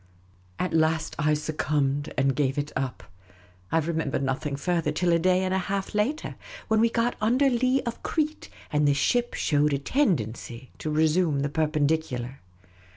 At last, I succumbed and gav^e it up. I remember nothing further till a day and a half later, when we got under lee of Crete, and the ship showed a tendency to resume the perpendicular.